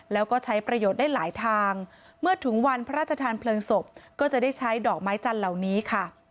แล้วก็ใช้ประโยชน์ได้หลายทางเมื่อถึงวันพระราชทานเพลิงศพก็จะได้ใช้ดอกไม้จันทร์เหล่านี้ค่ะ